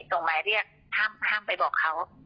ส่งหมายเรียกห้ามไปบอกเขา